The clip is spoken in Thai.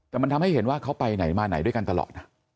แต่มันทำให้เห็นว่าเขาไปไหนมาไหนด้วยกันตลอดนะ